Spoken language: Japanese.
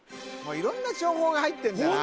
色んな情報が入ってんだな